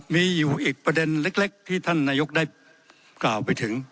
มีอยู่อีกประเด็นเล็กที่ท่านนายกได้กล่าวไปถึง